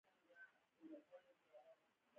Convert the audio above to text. ګس فارویک د ټسټورسټون پرته یو شیطان دی